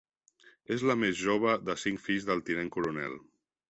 És la més jove de cinc fills del Tinent Coronel.